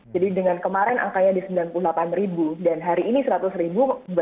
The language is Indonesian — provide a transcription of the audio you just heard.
jadi dengan kemarin angkanya di sembilan puluh delapan ribu dan hari ini seratus ribu